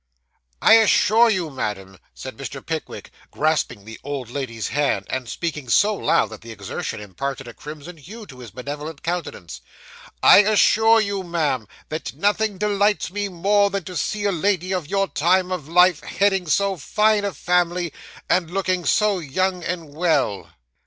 'I assure you, ma'am,' said Mr. Pickwick, grasping the old lady's hand, and speaking so loud that the exertion imparted a crimson hue to his benevolent countenance 'I assure you, ma'am, that nothing delights me more than to see a lady of your time of life heading so fine a family, and looking so young and well.